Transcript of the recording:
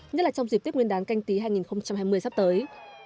nhất là trong dịp tiếp nguyên đáng canh tí hai nghìn hai mươi sắp tới